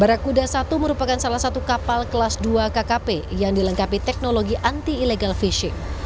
barakuda satu merupakan salah satu kapal kelas dua kkp yang dilengkapi teknologi anti illegal fishing